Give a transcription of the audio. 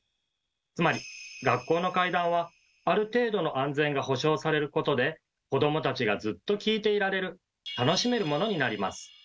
つまり学校の怪談はある程度の安全が保証されることで子どもたちがずっと聞いていられる「楽しめるもの」になります。